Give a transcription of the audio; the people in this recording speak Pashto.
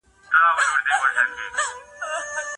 د خوړو مهالویش د وزن په کنټرول کې مرسته کوي.